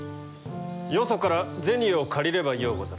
よそから銭を借りればようござる。